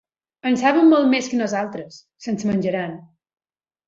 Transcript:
En saben molt més que nosaltres: se'ns menjaran.